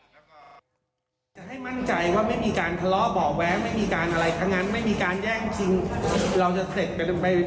จะให้มั่นใจว่าไม่มีการทะเลาะเบาะแว้งไม่มีการอะไร